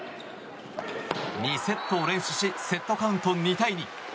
２セットを連取しセットカウント２対２。